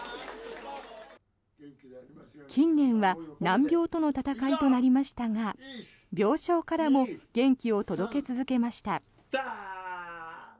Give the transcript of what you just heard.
近年は難病との闘いとなりましたが病床からも元気を届け続けました。